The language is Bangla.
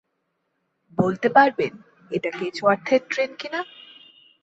বলতে পারবেন, এটা কেচওয়ার্থের ট্রেন কিনা?